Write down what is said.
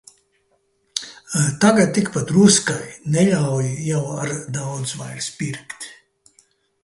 Tagad tik pa druskai, neļauj jau ar daudz vairs pirkt.